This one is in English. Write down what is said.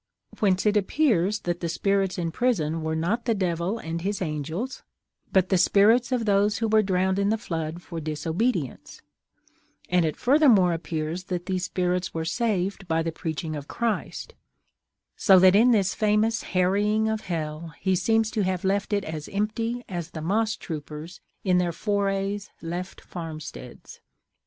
Whence it appears that the spirits in prison were not the Devil and his angels, but the spirits of those who were drowned in the Flood for disobedience; and it furthermore appears that these spirits were saved by the preaching of Christ; so that in this famous harrying of hell, he seems to have left it as empty as the mosstroopers in their forays left farmsteads.